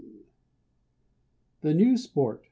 ] THE NEW SPORT.